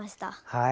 はい。